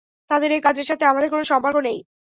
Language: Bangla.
তাদের এ কাজের সাথে আমাদের কোন সম্পর্ক নেই।